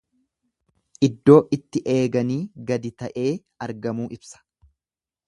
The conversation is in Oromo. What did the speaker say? Iddoo itti eeganii gadi ta'ee argamuu ibsa.